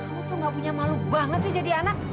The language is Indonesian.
kamu tuh gak punya malu banget sih jadi anak